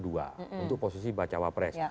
untuk posisi bacawa pres